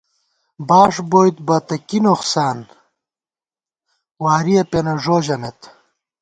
باݭ بوئیت بہ تہ کی نوخسان، وارِیَہ پېنہ ݫو ژَمېت